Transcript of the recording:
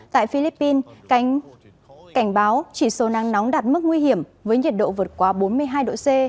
tại philippines cảnh báo chỉ số nắng nóng đạt mức nguy hiểm với nhiệt độ vượt quá bốn mươi hai độ c